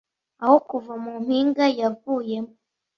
Aho kuva mu mpinga yavuyemo